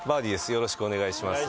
よろしくお願いします。